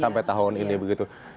sampai tahun ini begitu